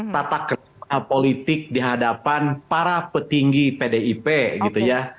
tata kencang politik dihadapan para petinggi pdip gitu ya